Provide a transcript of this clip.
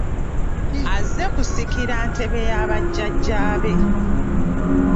Azze kusikira ntebe ya bajjajja be.